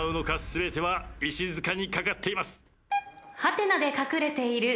全ては石塚にかかっています。